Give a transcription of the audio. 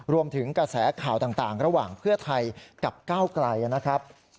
รวมถึงกระแสข่าวต่างระหว่างเพื่อไทยกับก้าวไกลนะครับ